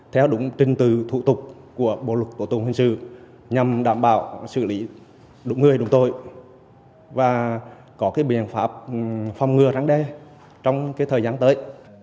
theo đúng trình tử thủ tục của bộ lực tổ tổng huyền sư nhằm đảm bảo xử lý đúng người đúng tôi và có cái biện pháp phòng ngừa rắn đe trong cái thời gian tới